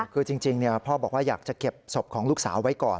คือจริงพ่อบอกว่าอยากจะเก็บศพของลูกสาวไว้ก่อน